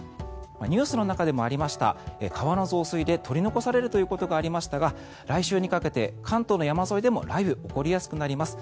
ニュースの中でもありました川の増水で取り残されるということがありましたが来週にかけて関東の山沿いでも雷雨が起こりやすくなります。